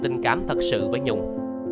tình cảm thật sự với nhung